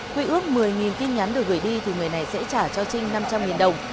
quy ước một mươi tin nhắn được gửi đi thì người này sẽ trả cho trinh năm trăm linh đồng